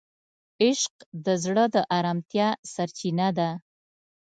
عشق د زړه د آرامتیا سرچینه ده.